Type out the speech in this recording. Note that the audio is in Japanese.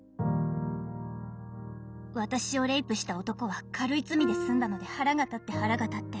私をレイプした男は軽い罪で済んだので腹が立って腹が立って。